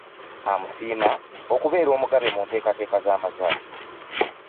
Amusiima okubeera Omugabe mu nteekateeka z'amazaalibwa.